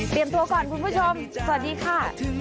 เตรียมโทรก่อนคุณผู้ชมสวัสดีค่ะ